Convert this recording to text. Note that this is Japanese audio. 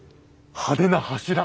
派手な柱！